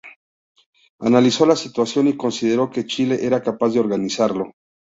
Analizó la situación y consideró que Chile era capaz de organizarlo.